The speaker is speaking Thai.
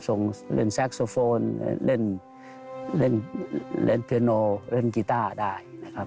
ส่งเล่นแซคโซโฟนเล่นเพโนเล่นกีต้าได้นะครับ